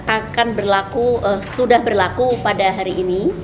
akan berlaku sudah berlaku pada hari ini